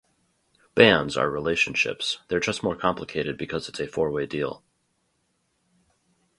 Bands are relationships, they're just more complicated because it's a four-way deal.